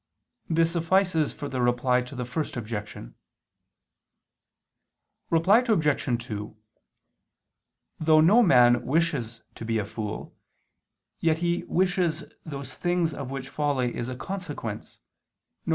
This suffices for the Reply to the First Objection. Reply Obj. 2: Though no man wishes to be a fool, yet he wishes those things of which folly is a consequence, viz.